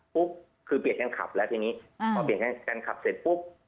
ปุ๊บคือเปลี่ยนการขับแล้วทีนี้อ่าพอเปลี่ยนการการขับเสร็จปุ๊บ